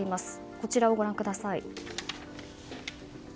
こちらをご覧ください。